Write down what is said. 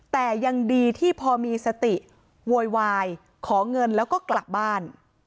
แต่ยังดีที่พอมีสติโวยวายขอเงินแล้วก็กลับบ้าน